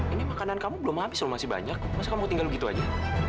ini makanan kamu belum habis loh masih banyak masa kamu tinggal begitu aja